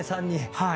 はい。